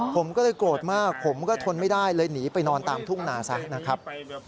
ผมก็เลยโกรธมากผมก็ทนไม่ได้เลยหนีไปนอนตามทุ่งนาซะนะครับ